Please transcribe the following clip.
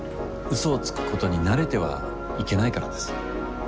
嘘をつくことに慣れてはいけないからです。